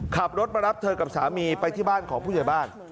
ขับรถมารับเธอกับสามีไปที่บ้านของผู้ใหญ่บ้าน